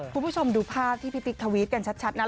คุณผู้ชมดูภาพที่พี่ติ๊กทวีตกันชัดนะ